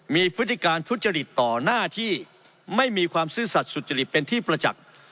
มีพฤติการทุจริตต่อหน้าที่ไม่มีความซื่อสัตว์สุจริตเป็นที่ประจักษ์